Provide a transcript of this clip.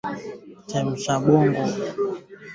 Chemsha kwa dakika nne kisha uepue viazi vyake